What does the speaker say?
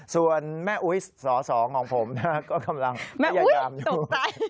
ส่วนแม่อุ๊ยสอสองของผมก็กำลังพยายามอยู่